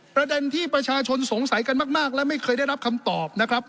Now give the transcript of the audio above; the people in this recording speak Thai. ประเด็นที่ประชาชนสงสัยกันมากและไม่เคยได้รับคำตอบนะครับ